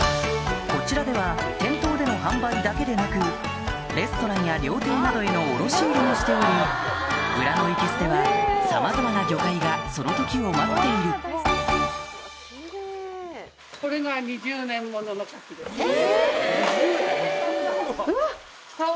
こちらでは店頭での販売だけでなくレストランや料亭などへの卸売りもしており裏のいけすではさまざまな魚介がその時を待っているキレイ。え！